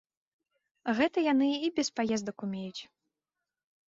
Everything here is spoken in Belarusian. Гэта яны і без паездак умеюць.